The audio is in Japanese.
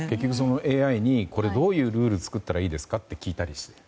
ＡＩにこれどういうルール作ったらいいですかと聞いたりして。